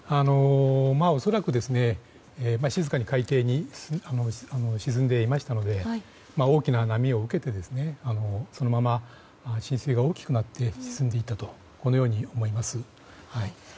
恐らく静かに海底に沈んでいましたので大きな波を受けてそのまま浸水が大きくなって沈んでいったと思います。